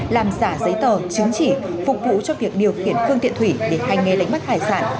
làm giả giấy tờ chứng chỉ phục vụ cho việc điều khiển phương tiện thủy để hành nghề đánh bắt hải sản